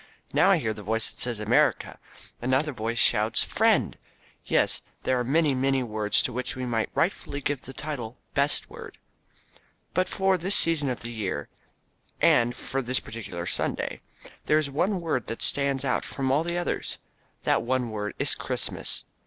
Now I hear a voice that says, "America." Another voice shouts, "Friend." Yes, there are many, many words to which we might rightfully give the title "best word." But for this season of the year, and for this particular Sunday, there is one word that stands out from among all the others. That one word is "Christmas."